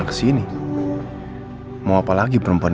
untuk hal ini mbak gak bisa bantu kamu ya maaf